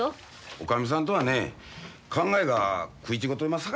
女将さんとはね考えが食い違うとりますさかいな。